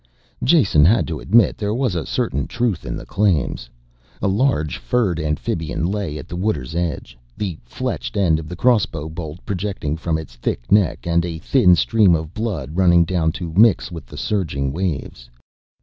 Jason had to admit there was a certain truth in the claims. A large, furred amphibian lay at the water's edge, the fletched end of the crossbow bolt projecting from its thick neck and a thin stream of blood running down to mix with the surging waves.